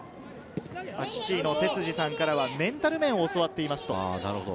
父からはメンタル面を教わっていますと。